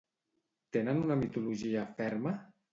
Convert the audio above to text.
Tenen una mitologia ferma?